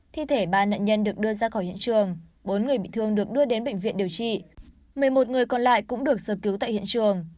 thi thể ba nạn nhân được đưa ra khỏi hiện trường bốn người bị thương được đưa đến bệnh viện điều trị một mươi một người còn lại cũng được sơ cứu tại hiện trường